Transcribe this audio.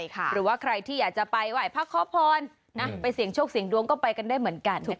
หรือว่าใครที่อยากจะไปไหว้พระขอพรไปเสี่ยงโชคเสียงดวงก็ไปกันได้เหมือนกัน